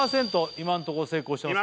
今んとこ成功してます